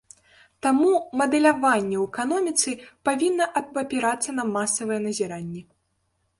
Таму мадэляванне ў эканоміцы павінна абапірацца на масавыя назіранні.